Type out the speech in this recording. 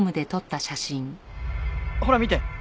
ほら見て！